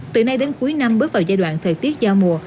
từ nay đến cuối năm bước vào giai đoạn thời tiết giao mùa